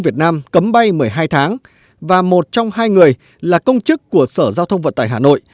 việt nam cấm bay một mươi hai tháng và một trong hai người là công chức của sở giao thông vận tải hà nội